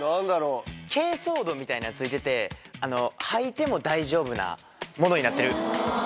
けいそう土みたいなのがついてて、吐いても大丈夫なものになってる。